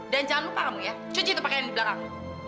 dan jangan lupa kamu ya cuci tuh pakaian di belakang